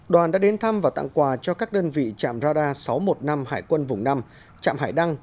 đoàn đã đến thăm và tặng quà cho các đơn vị trạm radar sáu trăm một mươi năm hải quân vùng năm trạm hải đăng